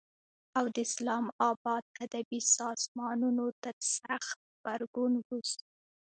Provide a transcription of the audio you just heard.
او د اسلام آباد ادبي سازمانونو تر سخت غبرګون وروسته